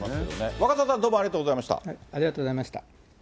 若狭さん、ありがとうございました。